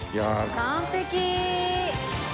完璧。